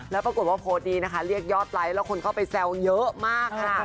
แล้วปรากฏว่าโพสต์นี้นะคะเรียกยอดไลค์แล้วคนเข้าไปแซวเยอะมากค่ะ